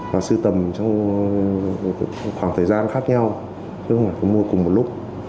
và sư tầm trong khoảng thời gian khác nhau chứ không phải mua cùng một lúc